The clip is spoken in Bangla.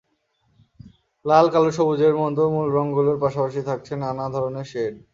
লাল, কালো, সবুজের মতো মূল রংগুলোর পাশাপাশি থাকছে নানা ধরনের শেড।